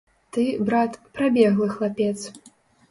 Ты, брат, прабеглы хлапец.